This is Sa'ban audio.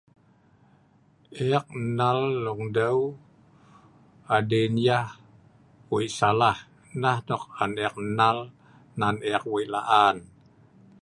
eek nal longdeu adin yah Wei Salah, nah nok an eek nal wei laan